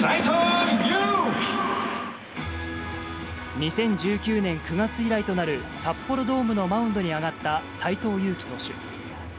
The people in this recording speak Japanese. ２０１９年９月以来となる札幌ドームのマウンドに上がった斎藤佑樹投手。